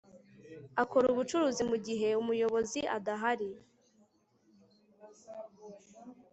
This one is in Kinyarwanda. Akora ubucuruzi mugihe umuyobozi adahari